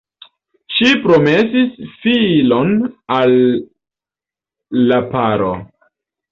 Ŝi promesis filon al la paro.